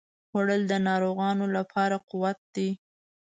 خوړل د ناروغانو لپاره قوت دی